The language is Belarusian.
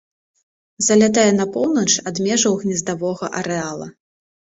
Залятае на поўнач ад межаў гнездавога арэала.